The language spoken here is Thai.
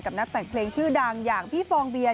นักแต่งเพลงชื่อดังอย่างพี่ฟองเบียร์